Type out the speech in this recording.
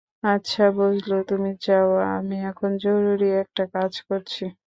আচ্ছা বজলু তুমি যাও, আমি এখন জরুরি একটা কাজ করছি।